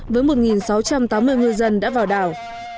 với một sáu trăm tám mươi ngư dân đã vào đảo